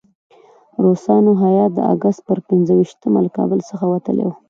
روسانو هیات د اګست پر پنځه ویشتمه له کابل څخه وتلی وو.